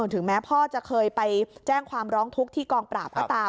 ถึงแม้พ่อจะเคยไปแจ้งความร้องทุกข์ที่กองปราบก็ตาม